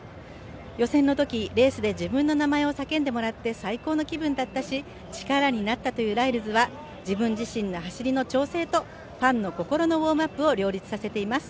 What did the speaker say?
予選のとき、レースで自分の名前を叫んでもらって、最高の気分だったし力になったというライルズは自分自身の走りの調整とファンの心のウオームアップを両立しています。